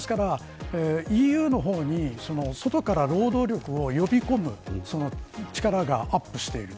ＥＵの方に、外から労働力を呼び込む力がアップしている。